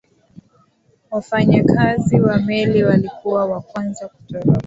wafanyakazi wa meli walikuwa wa kwanza kutoroka